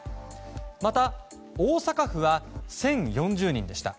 また大阪府は１０４０人でした。